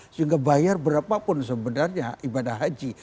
sehingga bayar berapapun sebenarnya ibadah haji